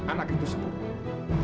anak itu sendiri